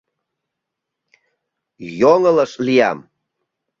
Йоҥылыш лиям.